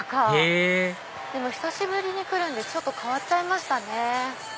へぇでも久しぶりに来るんでちょっと変わっちゃいましたね。